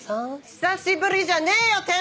「久しぶり」じゃねえよ